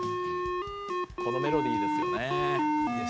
このメロディーですよね。